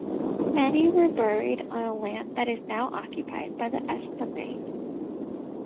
Many were buried on land that is now occupied by the Esplanade.